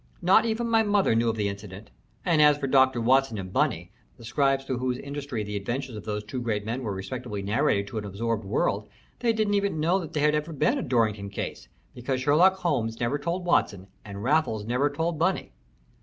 Not even my mother knew of the incident, and as for Dr. Watson and Bunny, the scribes through whose industry the adventures of those two great men were respectively narrated to an absorbed world, they didn't even know there had ever been a Dorrington case, because Sherlock Holmes never told Watson and Raffles never told Bunny.